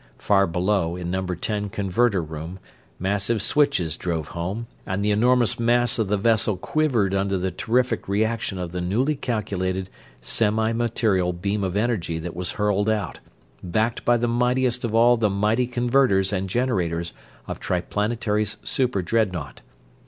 Far below, in number ten converter room, massive switches drove home and the enormous mass of the vessel quivered under the terrific reaction of the newly calculated, semi material beam of energy that was hurled out, backed by the mightiest of all the mighty converters and generators of Triplanetary's super dreadnaught.